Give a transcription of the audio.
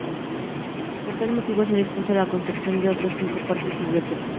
Por tal motivo se ha dispuesto la construcción de otros cinco Parques Biblioteca.